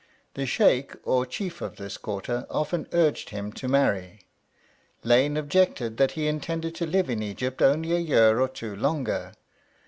The Sheykh or chief of this quarter often urged him to marry; Lane objected that he intended to live in Egypt only a year or two longer.